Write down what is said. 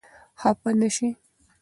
خفه نه شئ !